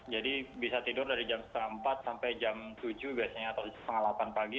jadi bisa tidur dari jam empat sampai jam tujuh biasanya atau tujuh tiga puluh pagi